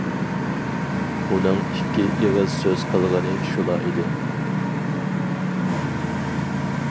ئۇنىڭ ئىككى ئېغىز سۆز قىلغىنى شۇلا ئىدى.